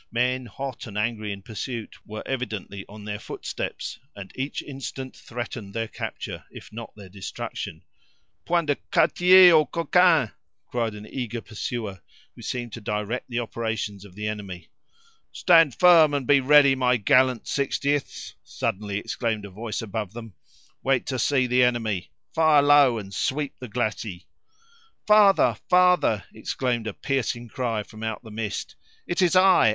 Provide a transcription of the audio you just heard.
Men, hot and angry in pursuit, were evidently on their footsteps, and each instant threatened their capture, if not their destruction. "Point de quartier aux coquins!" cried an eager pursuer, who seemed to direct the operations of the enemy. "Stand firm, and be ready, my gallant Sixtieths!" suddenly exclaimed a voice above them; "wait to see the enemy, fire low and sweep the glacis." "Father! father!" exclaimed a piercing cry from out the mist: "it is I!